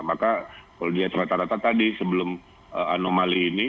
maka kalau dia rata rata tadi sebelum anomali ini